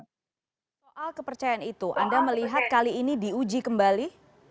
soal kepercayaan itu anda melihat kali ini diuji kembali